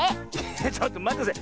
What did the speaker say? ちょっとまってください。